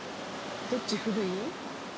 どっち古い？